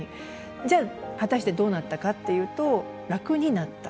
じゃあ果たしてどうなったかっていうと楽になった。